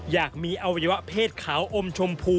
อยากมีอวัยวะเพศขาวอมชมพู